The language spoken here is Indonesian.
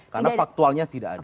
karena faktualnya tidak ada